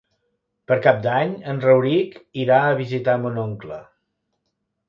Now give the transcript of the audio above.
Per Cap d'Any en Rauric irà a visitar mon oncle.